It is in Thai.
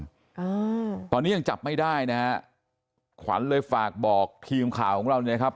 อ่าตอนนี้ยังจับไม่ได้นะฮะขวัญเลยฝากบอกทีมข่าวของเราเนี่ยครับ